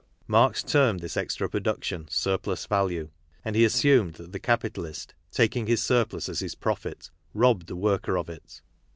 Marx termed this extra production surplus value, and he assumed that the capitalist, taking his surplus as his profit, robbed the worker of it.